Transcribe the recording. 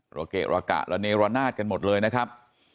ระเกะระกะละเนรนาศกันหมดเลยนะครับ